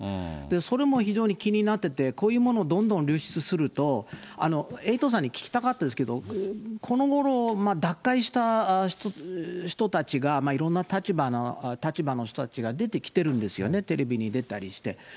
それも非常に気になってて、こういうものをどんどん流出すると、エイトさんに聞きたかったですけど、このごろ、脱会した人たちが、いろんな立場の人たちが出てきてるんですよね、テレビに出たりして。